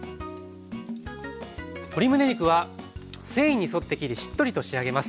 鶏むね肉は繊維に沿って切りしっとりと仕上げます。